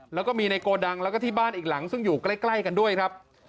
แล้วก็มีในโกดังแล้วก็ที่บ้านอีกหลังซึ่งอยู่ใกล้กันด้วยครับ